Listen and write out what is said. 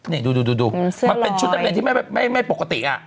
นี่ดูมันเป็นชุดนักเรียนที่ไม่ปกติ